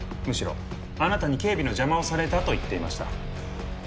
むしろあなたに警備の邪魔をされたと言っていました。